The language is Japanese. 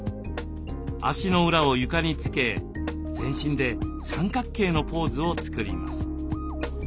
足の裏を床につけ全身で三角形のポーズを作ります。